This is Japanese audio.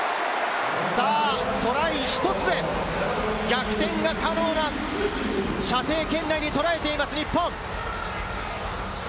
トライ一つで逆転が可能な射程圏内に捉えています、日本！